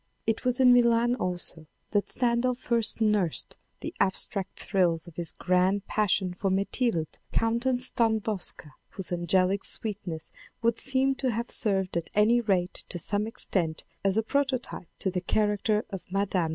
It was in Milan also than Stendhal first nursed the abstract thrills of his grand passion for Metilde Countess Dunbowska, whose angelic sweetness would seem to have served at any rate to some extent as a prototype to the character of Mme.